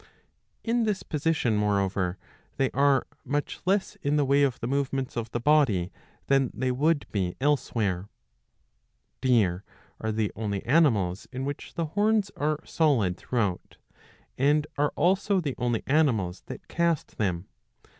In this position, moreover, they are much less in the way of the movements of the body than they would be elsewhere. Deer are the only animals in which the horns are solid through out, and are also the only animals that cast them.